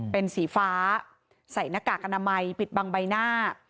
เป็นสีฟ้าใส่หน้ากากอนามัยปิดบังใบหน้า